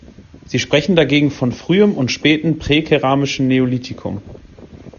Sie sprechen dagegen von frühem und späten präkeramischen Neolithikum.